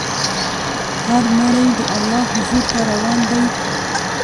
هر مړی د الله حضور ته روان دی.